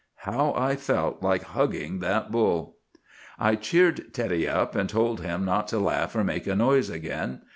How I felt like hugging that bull! "I cheered Teddy up, and told him not to laugh or make a noise again.